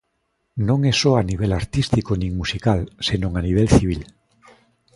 Non é só a nivel artístico nin musical, senón a nivel civil.